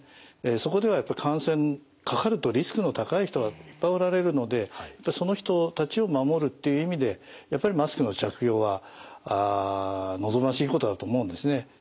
そこではやっぱりかかるとリスクの高い人がいっぱいおられるのでその人たちを守るっていう意味でやっぱりマスクの着用は望ましいことだと思うんですね。